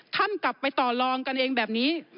ท่านกลับไปต่อลองกันเองแบบนี้